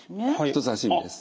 人さし指です。